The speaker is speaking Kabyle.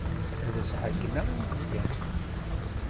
Ad as-ɛeyynen i Meẓyan.